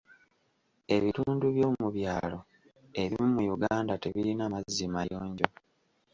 Ebitundu by'omu byalo ebimu mu Uganda tebirina mazzi mayonjo.